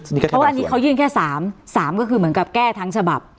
เพราะว่าอันนี้เขายื่นแค่๓๓ก็คือเหมือนกับแก้ทั้งฉบับ